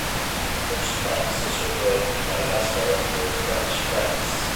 The first francs to circulate in Madagascar were French francs.